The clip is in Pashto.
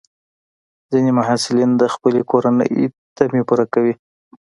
ځینې محصلین د خپلې کورنۍ تمې پوره کوي.